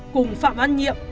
cùng phạm văn nhiệm